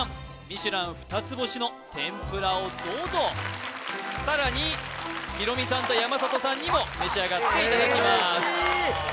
ミシュラン二つ星の天ぷらをどうぞさらにヒロミさんと山里さんにも召し上がっていただきます